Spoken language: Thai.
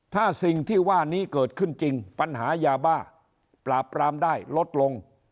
ถ้าสิ่งที่ว่านี้เกิดขึ้นจริงปัญหายาบ้าปราบปรามได้ลดลง